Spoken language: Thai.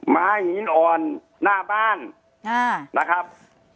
ไม้หินอ่อนหน้าบ้านนะครับ